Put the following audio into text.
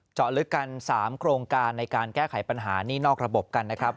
เจาะลึกกัน๓โครงการในการแก้ไขปัญหานี่นอกระบบกันนะครับ